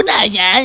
tidak ada gunanya